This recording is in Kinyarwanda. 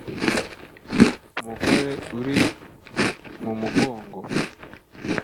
umugore uri mu mugongo